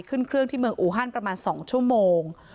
ขึ้นเครื่องที่เมืองอูฮันประมาณ๒ชั่วโมง